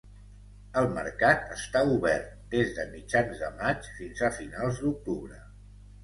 El mercat està obert des de mitjans de maig fins a finals d'octubre.